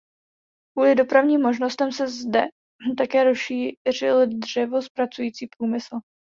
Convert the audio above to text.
Kvůli dopravním možnostem se zde také rozšířil dřevozpracující průmysl.